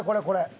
これ。